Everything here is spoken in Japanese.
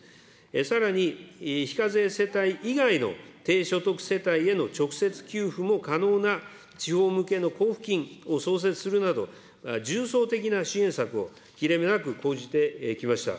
さらに、非課税世帯以外の低所得世帯への直接給付も可能な地方向けの交付金を創設するなど、重層的な支援策を切れ目なく講じてきました。